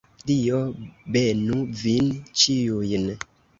Dio benu vin ĉiujn.